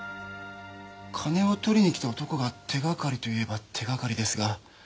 金を取りに来た男が手がかりといえば手がかりですが。